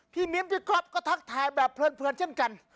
พี่มิมพี่ก๊อปก็ทักถ่ายแบบเพื่อนเช่นกัน